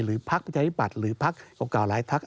หรือภักดิ์ประจายบัตรหรือภักดิ์ประกอบหลายทัก